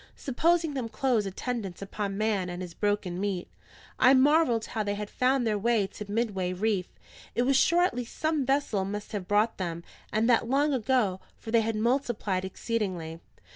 Supposing them close attendants upon man and his broken meat, I marvelled how they had found their way to Midway reef; it was sure at least some vessel must have brought them, and that long ago, for they had multiplied exceedingly.